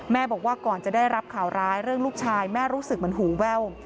บอกว่าก่อนจะได้รับข่าวร้ายเรื่องลูกชายแม่รู้สึกเหมือนหูแว่ว